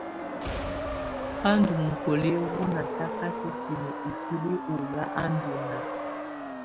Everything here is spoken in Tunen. Ba ndù mukoli wu natakatɔ sinǝ ikuili u ya a ndù naà.